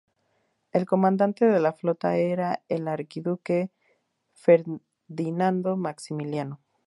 El comandante de la flota era el Archiduque Ferdinando Maximiliano.